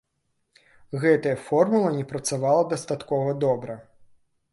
Гэтая формула не працавала дастаткова добра.